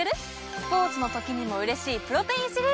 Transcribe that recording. スポーツの時にもうれしいプロテインシリーズ！